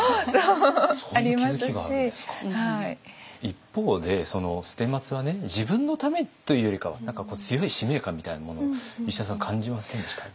一方で捨松は自分のためというよりかは何か強い使命感みたいなものを石田さん感じませんでした？